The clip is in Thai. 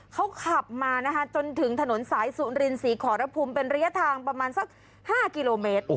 เขาขับมานะคะจนถึงถนนสายสุรินศรีขอรพุมเป็นระยะทางประมาณสัก๕กิโลเมตร